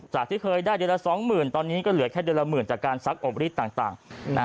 จากที่เคยได้เดือนละสองหมื่นตอนนี้ก็เหลือแค่เดือนละหมื่นจากการซักอบฤทธิ์ต่าง